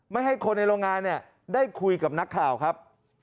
ให้คนในโรงงานเนี่ยได้คุยกับนักข่าวครับ